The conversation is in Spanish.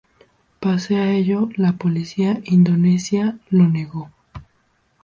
Pese a ello, la policía indonesia lo negó.